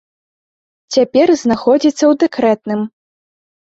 Цяпер знаходзіцца ў дэкрэтным.